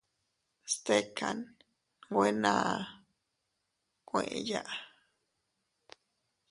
Stikan nwe naa kueyaʼa.